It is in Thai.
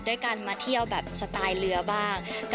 ด้วยการมาเที่ยวแบบสไตล์เรือบ้าง